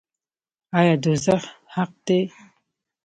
آیا دوزخ حق دی؟